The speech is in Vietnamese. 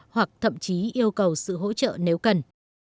hoặc thậm chí yêu cầu sự hỗ trợ nếu cần